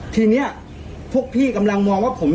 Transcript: พี่ผมอยู่ในส่วนของมิตเตอร์